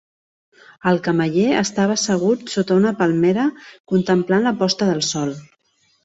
El cameller estava assegut sota una palmera contemplant la posta del sol.